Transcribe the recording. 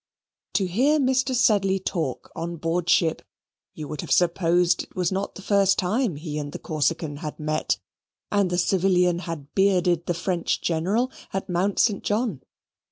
To hear Mr. Sedley talk on board ship you would have supposed that it was not the first time he and the Corsican had met, and that the civilian had bearded the French General at Mount St. John.